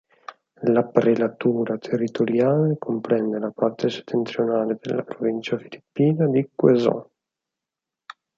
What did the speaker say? La prelatura territoriale comprende la parte settentrionale della provincia filippina di Quezon.